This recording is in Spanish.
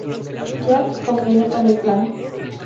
Jack conviene con el plan.